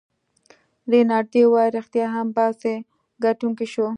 رینالډي وویل: ريښتیا هم، باسي ګټونکی شو.